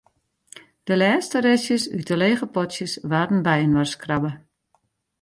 De lêste restjes út de lege potsjes waarden byinoarskrabbe.